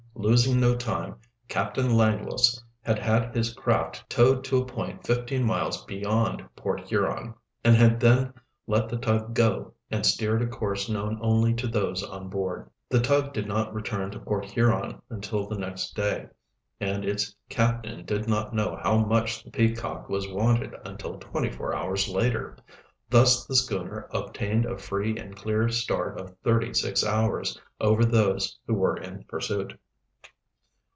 Losing no time, Captain Langless had had his craft towed to a point fifteen miles beyond Port Huron, and had then let the tug go, and steered a course known only to those on board. The tug did not return to Port Huron until the next day, and its captain did not know how much the Peacock was wanted until twenty four hours later. Thus the schooner obtained a free and clear start of thirty six hours over those who were in pursuit.